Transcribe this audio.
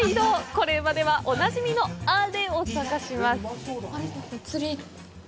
コレうまではおなじみのあれを探します。